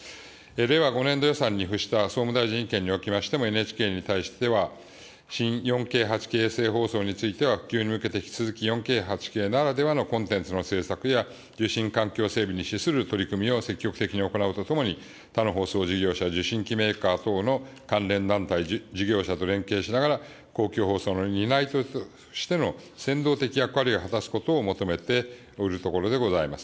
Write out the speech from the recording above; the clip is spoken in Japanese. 令和５年度予算に付した総務大臣意見におきましても、ＮＨＫに対しては、新４Ｋ８Ｋ衛星放送については、普及に向けて、引き続き４Ｋ８Ｋならではのコンテンツの制作や、受信環境整備に資する取り組みを積極的に行うとともに、他の放送事業者、受信機メーカー等の関連団体、事業者と連携しながら、公共放送の担い手としての先導的役割を果たすことを求めておるところでございます。